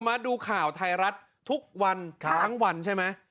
มาดูข่าวไทยรัฐทุกวันทั้งวันใช่ไหม